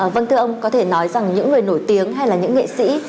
vâng thưa ông có thể nói rằng những người nổi tiếng hay là những nghệ sĩ